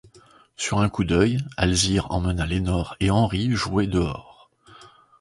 Sur un coup d’œil, Alzire emmena Lénore et Henri jouer dehors.